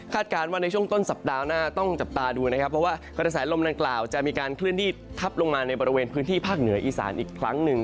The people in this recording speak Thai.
การว่าในช่วงต้นสัปดาห์หน้าต้องจับตาดูนะครับเพราะว่ากระแสลมดังกล่าวจะมีการเคลื่อนที่ทับลงมาในบริเวณพื้นที่ภาคเหนืออีสานอีกครั้งหนึ่ง